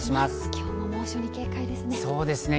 今日も猛暑に警戒ですね。